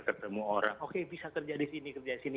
ketemu orang oke bisa kerja di sini kerja sini